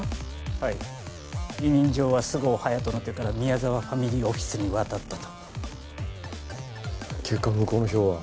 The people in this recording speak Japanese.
はい委任状は菅生隼人の手から宮沢ファミリーオフィスに渡ったと結果向こうの票は？